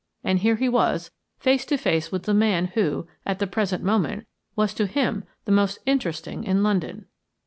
And here he was, face to face with the man who, at the present moment, was to him the most interesting in London.